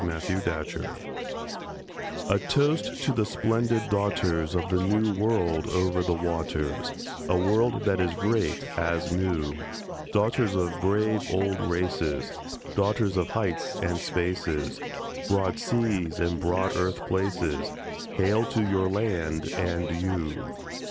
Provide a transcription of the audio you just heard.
TO THE WOMEN OF AUSTRALIA A toast to the splendid daughters Of the New World over the waters, A world that is great as new; Daughters of brave old races, Daughters of heights and spaces, Broad seas and broad earth places— Hail to your land and you!